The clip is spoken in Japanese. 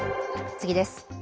次です。